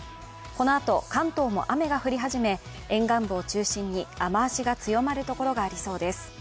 このあと関東も雨が降り始め、沿岸部を中心に雨足が強まるところがありそうです。